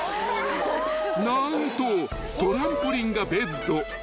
［何とトランポリンがベッド］